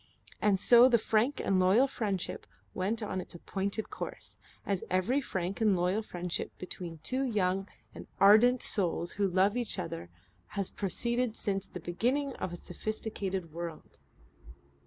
And so the frank and loyal friendship went on its appointed course, as every frank and loyal friendship between two young and ardent souls who love each other has proceeded since the beginning of a sophisticated world.